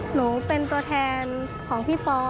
หนูเป็นตัวแทนของพี่ปอ